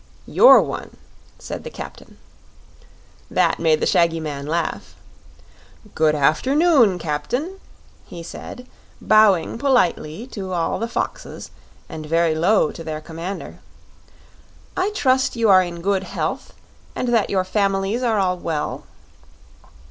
"You're one," said the captain. That made the shaggy man laugh "Good afternoon, captain," he said, bowing politely to all the foxes and very low to their commander. "I trust you are in good health, and that your families are all well?"